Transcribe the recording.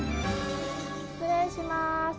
失礼します。